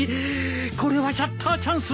これはシャッターチャンスだ！